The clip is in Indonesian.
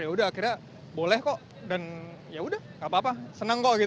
yaudah akhirnya boleh kok dan yaudah nggak apa apa senang kok